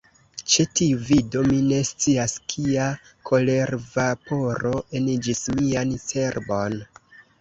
Ĉe tiu vido, mi ne scias kia kolervaporo eniĝis mian cerbon.